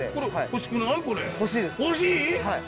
欲しい？